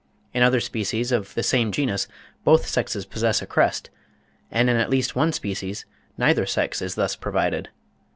In other species of the same genus both sexes possess a crest, and in at least one species neither sex is thus provided.